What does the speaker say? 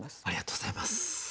ありがとうございます。